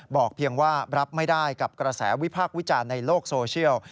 เพียงว่ารับไม่ได้กับกระแสวิพากษ์วิจารณ์ในโลกโซเชียล